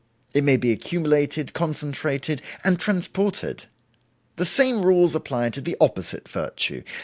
It may be accumulated, concentrated, and transported. The same rules apply to the opposite virtue.